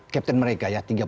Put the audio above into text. kapten mereka ya